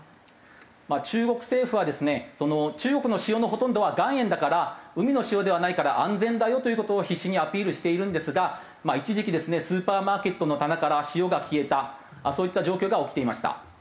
まあ中国政府はですね中国の塩のほとんどは岩塩だから海の塩ではないから安全だよという事を必死にアピールしているんですが一時期ですねスーパーマーケットの棚から塩が消えたそういった状況が起きていました。